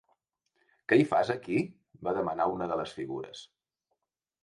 "Què hi fas aquí?" va demanar una de les figures.